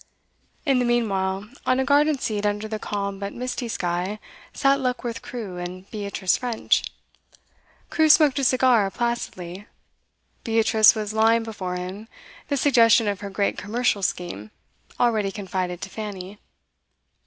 In the meanwhile, on a garden seat under the calm but misty sky, sat Luckworth Crewe and Beatrice French. Crewe smoked a cigar placidly; Beatrice was laying before him the suggestion of her great commercial scheme, already confided to Fanny.